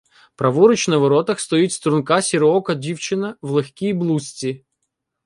Праворуч на воротах стоїть струнка сіроока дівчина в легкій блузці.